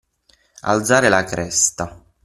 Alzare la cresta.